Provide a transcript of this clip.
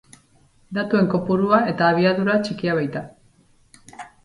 Datuen kopurua eta abiadura txikia baita.